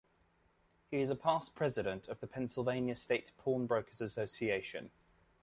He is a past president of the Pennsylvania State Pawnbroker's Association.